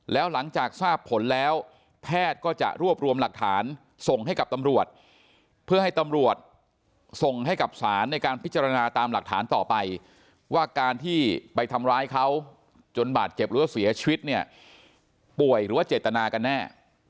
แล้วหลังจากทราบผลแล้วแพทย์ก็จะรวบรวมหลักฐานส่งให้กับตำรวจเพื่อให้ตำรวจส่งให้กับศาลในการพิจารณาตามหลักฐานต่อไปว่าการที่ไปทำร้ายเขาจนบาดเจ็บหรือว่าเสียชีวิตเนี่ยป่วยหรือว่าเจตนากันแน่